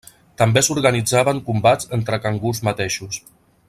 També s'organitzaven combats entre cangurs mateixos.